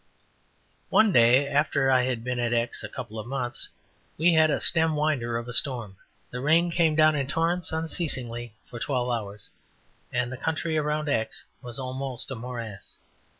One day after I had been at X a couple of months, we had a stem winder of a storm. The rain came down in torrents unceasingly for twelve hours, and the country around X was almost a morass.